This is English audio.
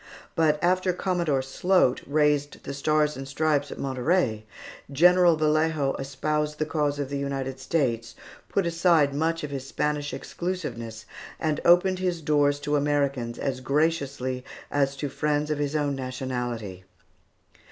But after Commodore Sloat raised the Stars and Stripes at Monterey, General Vallejo espoused the cause of the United States, put aside much of his Spanish exclusiveness, and opened his doors to Americans as graciously as to friends of his own nationality.